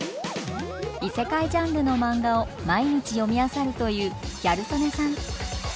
異世界ジャンルのマンガを毎日読みあさるというギャル曽根さん。